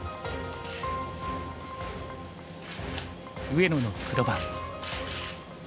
上野の黒番。